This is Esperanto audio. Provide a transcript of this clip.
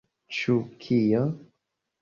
Ĉu kio?